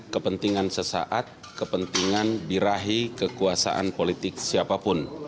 kepentingan sesaat kepentingan birahi kekuasaan politik siapapun